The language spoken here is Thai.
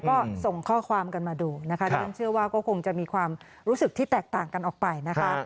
ก็ส่งข้อความกันมาดูนะคะที่ฉันเชื่อว่าก็คงจะมีความรู้สึกที่แตกต่างกันออกไปนะคะ